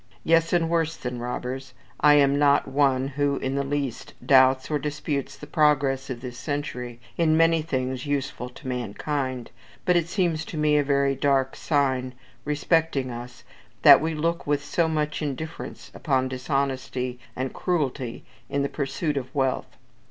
Yes, and worse than robbers. I am not one who in the least doubts or disputes the progress of this century in many things useful to mankind; but it seems to me a very dark sign respecting us that we look with so much indifference upon dishonesty and cruelty in the pursuit of wealth.